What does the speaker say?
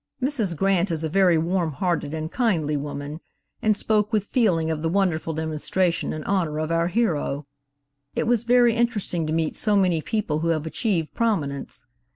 Mrs. Grant is a very warm hearted and kindly woman, and spoke with feeling of the wonderful demonstration in honor of our hero. It was very interesting to meet so many people who have achieved prominence.